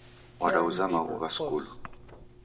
Wadauza maghuw'a skulu.